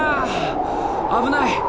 危ない！